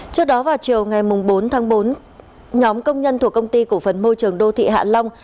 trước đó vào chiều ngày bốn tháng bốn nhóm công nhân thuộc công ty cổ phần môi trường đô thị hạ long